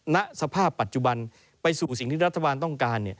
ณสภาพปัจจุบันไปสู่สิ่งที่รัฐบาลต้องการ